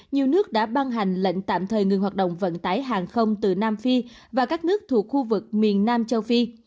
nhiều nước đã ban hành lệnh tạm thời ngừng hoạt động vận tải hàng không từ nam phi và các nước thuộc khu vực miền nam châu phi